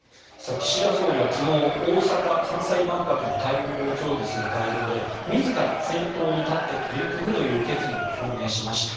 岸田総理は昨日大阪・関西万博の対応を協議する会合で自ら先頭に立って取り組むという決意を表明しました。